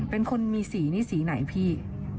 เป็นคนมีสีนี่สีไหนพี่